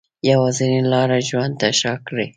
یوازینۍ لاره ژوند ته شا کړي